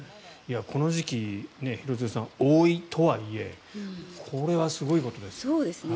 この時期、廣津留さん多いとはいえこれはすごいことですよ。